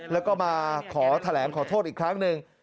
แล้วก็มาขอแถลงขอโทษอีกครั้งหนึ่ง